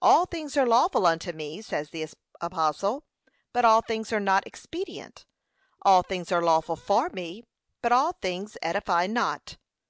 'All things are lawful unto me,' says the apostle, 'but all things are not expedient; all things are lawful for me, but all things edify not.'